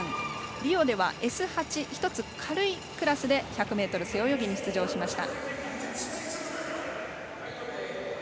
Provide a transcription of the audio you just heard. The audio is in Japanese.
リオではＳ８１つ軽いクラスで１００ｍ背泳ぎに出場しました。